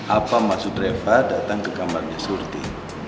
apa maksud reva datang ke kamarnya surti